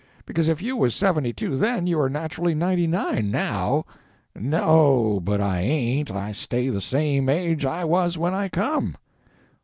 "Because, if you was seventy two then, you are naturally ninety nine now." "No, but I ain't. I stay the same age I was when I come."